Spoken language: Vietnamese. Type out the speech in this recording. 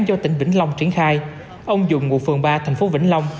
do tỉnh bình long triển khai ông dùng ngụ phường ba thành phố bình long